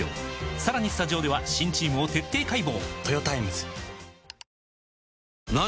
さらにスタジオでは新チームを徹底解剖！